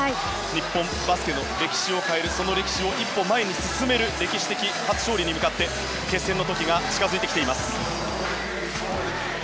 日本バスケの歴史を変えるその歴史を一歩前に進める歴史的初勝利に向かって決戦の時が近づいてきています。